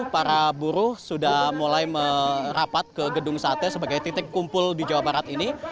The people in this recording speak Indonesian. para buruh sudah mulai merapat ke gedung sate sebagai titik kumpul di jawa barat ini